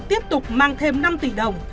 tiếp tục mang thêm năm tỷ đồng